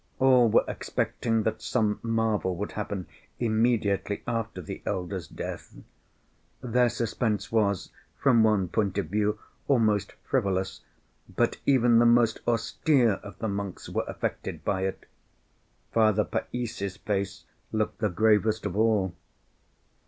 All were expecting that some marvel would happen immediately after the elder's death. Their suspense was, from one point of view, almost frivolous, but even the most austere of the monks were affected by it. Father Païssy's face looked the gravest of all.